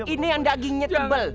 ini yang dagingnya tebel